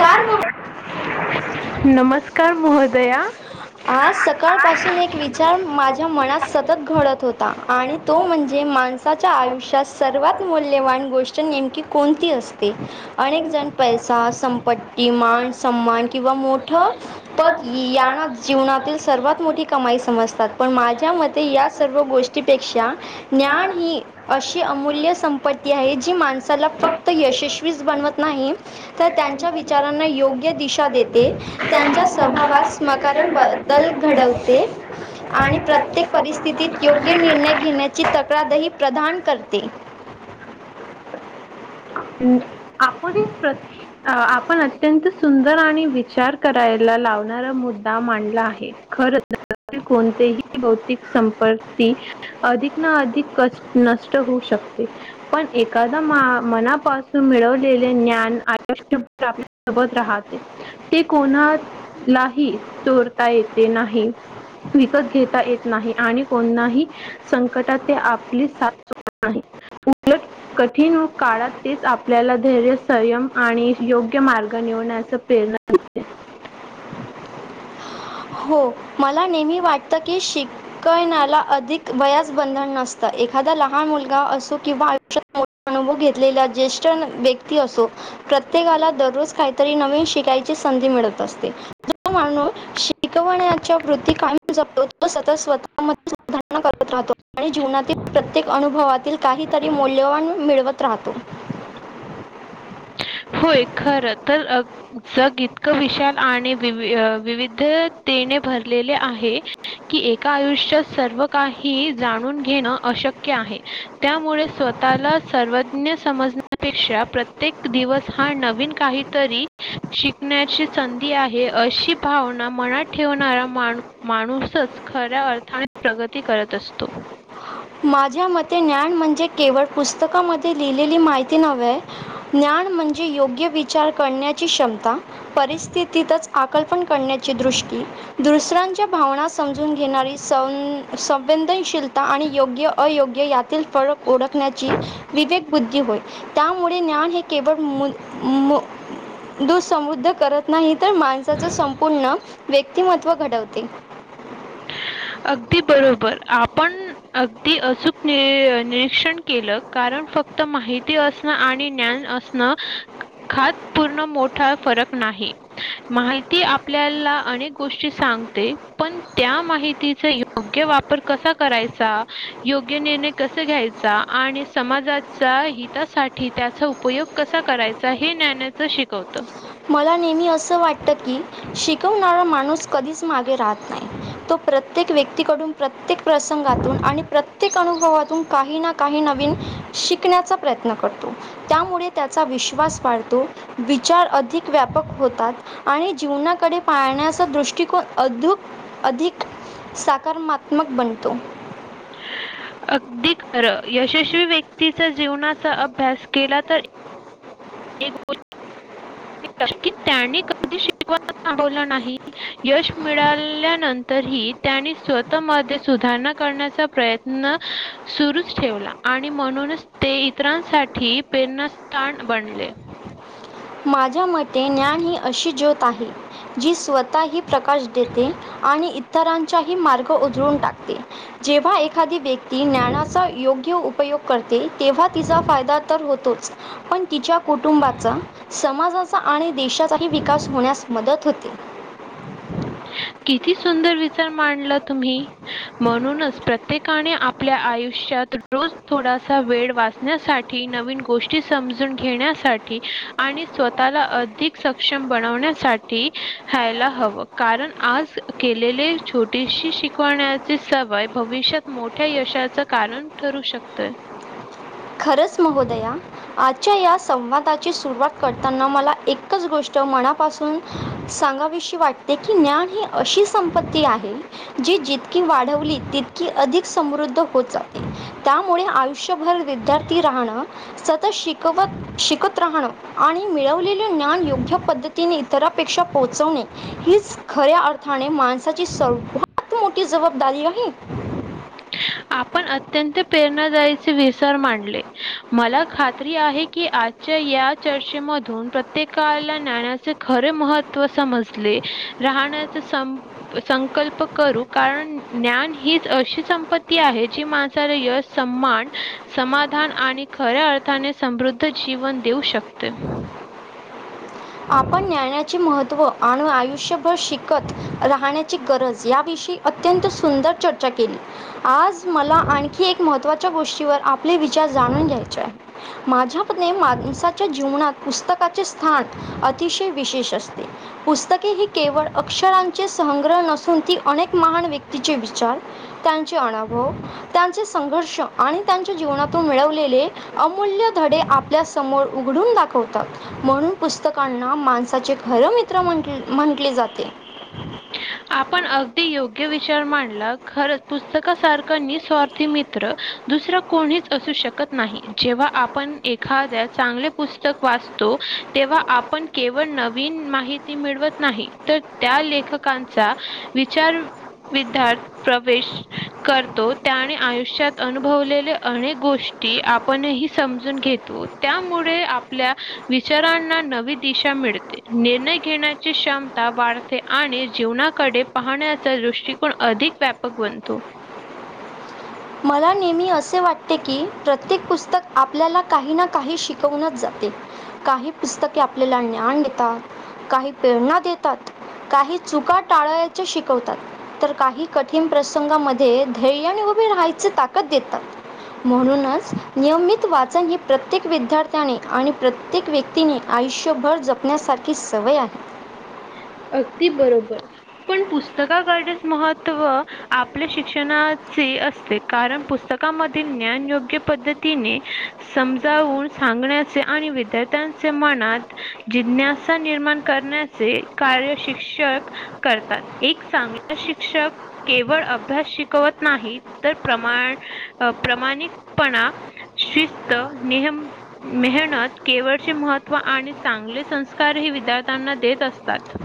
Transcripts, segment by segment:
काय म. नमस्कार महोदया आज सकाळ पाासून एक विचार माझ्या मनात सतत. घडत होता आणि तो म्हणजे माणसाच्या आयुष्यात सर्वात मूल्यवान गोष्ट नेमकी. कोणती असते अनेक जण पैसा संप. मान स्मान किंवा मोठ पद यांना जीवनातील सर्वात मोठी. कमाई समजतात पण माझ्या मते या सर्व गोष्टीपेक्षा ज्ञान ही. अशी अमूल्य संपत्ती आहे जी माणसाला फक्त यशस्वीच बनवत नाही. तर त्यांच्या विचारांना योग्य दिशा देते. त्यांच्या स्वभावात मकारम बदल घडवते. आणि प्रत्येक परिस्थितीत योग्य निर्णय घेण्याची तक्रारही प्रधान करते. आपण प्र्य. अ आपण अत्यंत सुंदर आणि विचार करायला लावणारा मुद्दा मांडला आहे. खर कोणतेही भौतिक संपत्ती. अधिक ना अधिक क नष्ट होऊ शकते पण एखादा मना. पाून मिळवलेले ज्ञान आयुष्यभर आपल्या सोबत राहते. ते कोणालाही चोरता येते नाही. विकत घेता येत नाही आणि कोणनाही. संकटात ते आपली साथ नाही उलट कठीण व काळात. तेच आपल्याला धैर्य संयम आणि योग्य मार्ग निवण्याच प्रेरणा. बबब्ब. हो मला नेहमी वाटत की शिक. कळनाला अधिक वयाच बंधन नसतं एक. एखादा लहान मुलगा असो किंवा आयुष्यात अनुभव घेतलेला ज्येष्ठ व्यक्ती असो. प्रत्येकाला दररोज काहीतरी नवीन शिकायची संधी मिळत असतेू. शिकवण्याच्या वृत्ती कायम जपतो तो सतत स्वतः म सुधारणा करत राहतो. आणि जीवनातील प्रत्येक अनुभवातील काहीतरी मौल्यवान मिळवत राहतो. होय खरं तर. जग इतकं विशाल आणि वि विविधतेने भरलेले आहे. की एका आयुष्यात सर्व काही जाणून घेणं अशक्य आहे. त्यामुळे स्वतःला सर्वज्ञ समजण्यापेक्षा प्रत्येक दिवस. हा नवीन काहीतरी शिकण्याची संधी आहे अशी भावना मना. ठेवणारा माण माणूसच खऱ्या अर्थाने प्रगती करत असतो. माझ्या मते ज्ञान म्हणजे केवळ पुस्तकामध्ये लिहिलेली माहिती नव्हे. ज्ञान म्हणजे योग्य विचार करण्याची क्षमता. परिस्थितीतच आकलपण करण्याची दृष्टी. दुसऱ्यांच्या भावना समजून घेणारी संवेदनशील. योग्य अयोग्य यातील फरक ओळखण्याची विवेक बुद्धी होय. त्यामुळे ज्ञान हे केवळ. दुःसमृद्ध करत नाही तर माणसाच संपूर्ण व्यक्तिमत्व घडवते. अगदी बरोबर आपण. अगदी अचूक निरीक्षण केलं कारण फक्त माहिती असण आणि ज्ञान अस. खात पूर्ण मोठा फरक नाही. माहिती आपल्याला अक गोष्टी सांगते पण त्या माहि तिचा योग्य वापर कसा करायचा योग्य निर्णय कसा घ्यायचा आणि समाजात. हितासाठी त्याचा उपयोग कसा करायचा हे ज्ञनाचं शिकवतं. मला नेहमी असं वाटतं की शिकवणारा माणूस कधीच मागे राहत नाही. तो प्रत्येक व्यक्तीकडून प्रत्येक प्रसंगातून आणि प्रत्येक अनुभवातून काही ना काही नवीन शिकण्याचा. प्रयत्न करतो त्यामुळे त्याचा विश्वास वाढतो विचार अधिक व्यापक होतात आणि जीवनाकडे पाळण्याचा दृष्टिकोन अधु अधिक साकारमात्मक बनतो. अगदी खर यशस्वी व्यक्तीचा जीवनाचा अभ्यास केला तर. एक. क कष्ट त्यानी कधी शिकवा थबवलं नाही यश मिळाल्यानंतरही त्यांनी स्वतः म सुधारणा करण्याचा प्रयत्न सुरुच ठेवला आणि म्हणूनच ते इतरांसाठी प्रेरणास्थान बनले माझ्या मते ज्ञान ही अशी ज्योत आहे जी स्वतः प्रकाश देते आणि इतरांचाही मार्ग उधळून टाकते जेव्हा एक एखादी व्यक्ती ज्ञानाचा योग्य उ उपयोग करते तेव्हा तिचा फायदा तर होतोच पण तिच्या कुटुंबाचा समाजाचा आणि देशाचाही विकास होण्यास मदत होते किती सुंदर विचार मांडला तुम्ही म्हणूनच प्रत प्रत्येकाने आपल्या आयुष्यात रोज थोडासा वेळ वाचण्यासाठी नवीन गोष्ट समजून घेण्यासाठी आणि स्वतःला अधिक सक्षम बनवण्यासाठी हायला ह कारण आज केलेले छोटीशी शिकवण्याचे सवय भविष्यात मोठ्या यशाचं कारण ठरू शकतय खरंच महोदया आजच्या या संवादाची सुरुवात करताना मला एक एकच गोष्ट मनापासून सांगावियी वाटते की ज्ञान ही अशी संपत्ती आहे जी जित वाढवली तितकी अधिक समृद्ध होत जाते त्यामुळे आयुष्यभर विद्यार्थी राहण सतत शिकवत शिकत राहणं आणि मिळवलेलं ज्ञान योग्य पद्धतीने तरापेक्षा पोहोचवणे हीच खऱ्या अर्थाने माणसाची सर्वात मोठ की जबाबदारी काही आपण अत्यंत प्रेरणादायीचे विसर मांडले मला खात्री आहे की आ या चर्चेमधून प्रत्येकाला ज्ञानाचे खरे महत्त्व समजले राहण्याचा सं संकल्प करू कारण ज्ञान हीच अशी संपत्ती आहे जी माणसाला यश स्मान समाधान आणि खऱ्या अर्थाने समृद्ध जीवन देऊ शकते आपण ज्ञानाचे महत्त्व आणि आयुष्यभर शिकत राहण्याची गरज याविषयी अत्यंत सुंदर चर्चा केली आज मला आणखी एक महत्त्वाच्या गोष्टीवर आप आपले विचार जाणून घ्यायचे आहे माझ्या माणसाच्या जीवनात पुस्तकाचे स्थान अतिशय विशेष असते पुस्तके ही केवळ अक्षरांचे संग्रह नसून ती अनेक महान व्यक्तीचे विचार त्यांचे अनुभव त्यांचे संघर्ष आणि त्यांच्या जीवनातून मिळवलेले अमूल्य धडे आपल्यासमोर उघडून दाखवतात म्हणून पुस्तकांना माणसाचे खरं मित्र म्हंट म्हटले जाते आपण अगदी योग्य विचार मांडला खरं पुस्तकासारखा निस्वार्थी मित्र दुसरं कोणीच असू शकत नाही जेव्हा आपण एखाद्या चांगले पुस्तक वाचतो तेव्हा आपण केवळ नवीन माहिती मिळवत नाही तर त्या लेखकां चा विचार विद्याथ प्रवेश करतो त्याने आयुष्यात अनुभवलेले अनेक गोष्टी आपण ह समजून घेतो त्यामुळे आपल्या विचारांना नवी दिशा मिळते निर्णय घेण्याची क्षमता वाढते आणि जीवनाकडे पाहण्याचा दृष्टिकोन अधिक व्यापक बनतो मला नेहमी असे वाटते की प्रत्येक पुस्तक आपल्याला काही ना काही शिकवूनच जाते काही पुस्तके आपल्याला ज्ञान देतात काही प्रेरणा देतात काही चुका टाळायचे शिकवतात तर काही कठीण प्रसंगामध्ये धैर्य आणि उभे राहायचे म्हण निम वाच प्रत्येक विदर्थ त्याने आणि प्रत्येक व्यक्तीने आयुष्यभर जपण्यासारखी सवय आहे अगदी बरोबर पण पुस्तक करण्यास महत्त्व आपल्या शिक्षणाचे असते कारण पुस्तकामधील ज्ञान योग्य पद्धतीने समजावून सांगण्याचे आणि विद्यार्थ्यांचे मनात जिज्ञासा निर्माण करण्या कार्य शिक्षक करतात एक चांगला शिक्षक केवळ अभ्यास शिकवत नाही तर प्रमाण प्रमाणिकपणा शिस्त नेहम मेहनत केवळचे महत्व आणि चांगले संस्कार ही विद्यार्थ्यांना देत असतात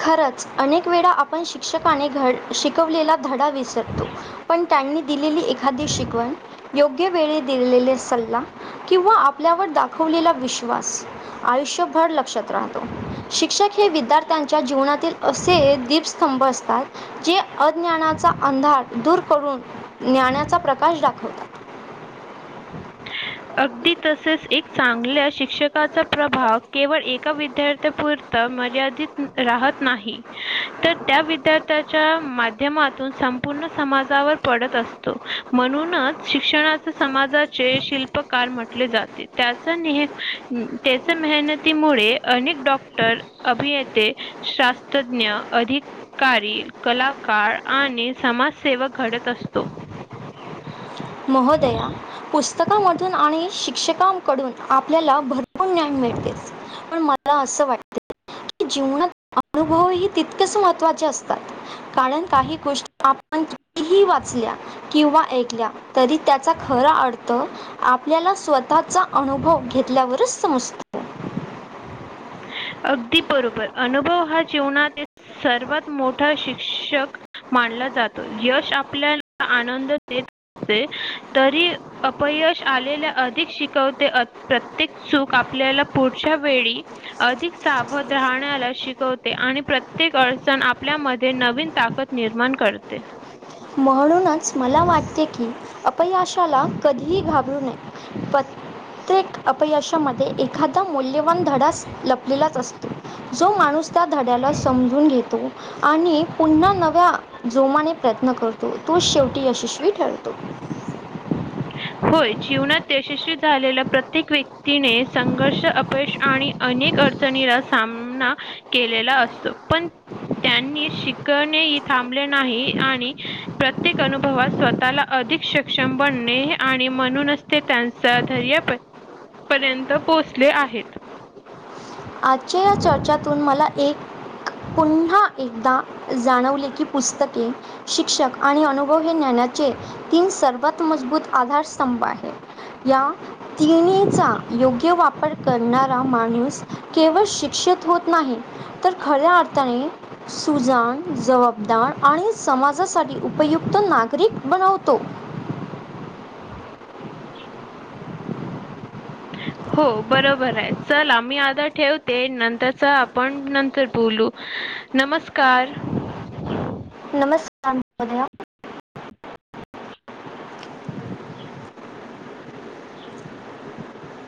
खरंच अनेक वेळा आपण शिक्षकाने घड शिकवलेला धडा विसरतो पण त्यांनी दिलेली एखादी शिकवण योग्य वेळे दिलेले सल्ला किंवा आपल्यावर दाखवलेला विश्वास आयुष्यभर लक्षात राहतो शिक्षक हे विद्यार्थ्यांच्या जीवनातील असे दीपस्तंभ असतात जे अज्ञानाचा अंधार दूर करून ज्ञानाचा प्रकाश दाखवतात अगदी तसेच एक चांगल्या शिक्षकाचा प्रभाव केवळ एका विद्यार्थ्यापूर ता मर्यादित राहत नाही तर त्या विद्यार्थ्याच्या माध्यमात संपूर्ण समाजावर पडत असतो म्हणूनच शिक्षणाचे समाजाचे शिल्प उपकार म्हटले जाते त्याचा नेह त्याच्या मेहनतीमुळे अनेक डॉक्टर अभियेते शास्त्रज्ञ अधिक कारी कलाकार आणि समाजसेवक घडत असतो महोदया पुस्तकमधून आणि शिक्षकांकडून आपल्याला भर ज्ञान मिळतेच पण मला असं वाट जीवनात अनुभवही तितकेच महत्त्वाचे असतात कारण काही गोष्टी आपणही कितीही वाचल्या किंवा ऐकल्या तरी त्याचा खरा अर्थ आपल्याला स्वतःचा अनुभव घेतल्यावरच समजतो अगदी बरोबर अनुभव हा जीवनात सर्वात मोठा शिक्षक मानला जातो यश आपल्याला आनंद देत असते तरी अपयश आलेल्या अधिक शिकवते प्रत्येक सुख आपल्याला पुढच्या वेळी अधिक सावध राहण्याला शिकवते आणि प्रत्येक अडचण आपल्यामध्ये नवीन ताकद निर्माण करते म्हणूनच मला वाटते की अपयाशाला कधीही घाबरू नये पत्रेक अपयाशामध्ये एक एखादा मौल्यवान धडास लपलेलाच असतो जो माणूस त्या धड्याला समजून घेतो आणि पुन्हा नव्या जोमाने प्रयत्न करतो तो शेवटी यशस्वी ठरतो होय जीवनात यशस्वी झालेल्या प्रत्येक व्यक्तीने संघर्ष अपयश आणि अनेक अडचणीला सामना केलेला असतो पण त्यांनी शिकणेही थांबले नाही आणि प्रत्येक अनुभवात स्वतः ला अधिक सक्षम बनणे आणि म्हणूनच ते त्यांचा धर्या पर्यंत पोहचले आहेत आजच्या या चर्चतून मला एक पुन्हा एकदा जाणवले की पुस्तके शिक्षक आणि अनु हे ज्ञानाचे तीन सर्वात मजबूत आधारस्तंभ आहे या तिन्हीचा योग्य वापर करणारा माणूस केवळ शिक्षित होत नाही तर खऱ्या अर्थाने सुजाण जबाबदार आणि समाजासाठी उपयुक्त नागरिक बनवतो हो बरोबर आहे चल आम्ही आता ठेवते नंतरचा आपण नंतर बोलू नमस्कार नमस्कार. महोदया.